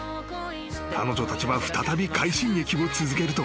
［彼女たちは再び快進撃を続けると］